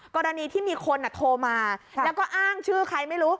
กรณีที่มีคนโทรมาแล้วก็อ้างชื่อใครไม่รู้